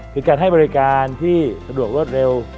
คือการให้บริการที่สะดวกรวดเร็ว